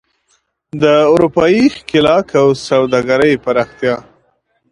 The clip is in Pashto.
د اروپايي ښکېلاک او سوداګرۍ پراختیا.